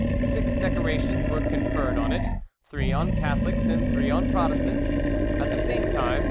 Six decorations were conferred on it—three on Catholics, and three on Protestants. At the same time, M.